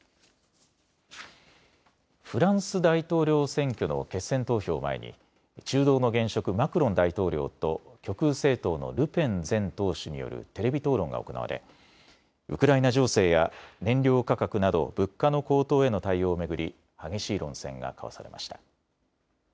フランス大統領選挙の決選投票を前に中道の現職、マクロン大統領と極右政党のルペン前党首によるテレビ討論が行われウクライナ情勢や燃料価格など物価の高騰への対応を巡り激しい論戦が交わされました。